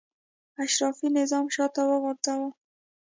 اشرافي نظام شاته وغورځاوه.